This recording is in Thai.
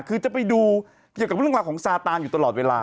คือจะไปดูเกี่ยวกับเรื่องราวของซาตานอยู่ตลอดเวลา